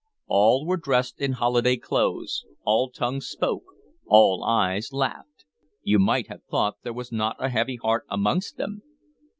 All were dressed in holiday clothes, all tongues spoke, all eyes laughed; you might have thought there was not a heavy heart amongst them.